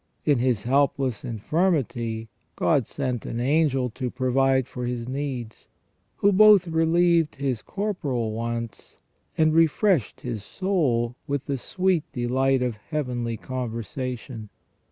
In his helpless infirmity God sent an angel to provide for his needs, who both relieved his corporal wants, and refreshed his soul with the sweet delight of heavenly conversation.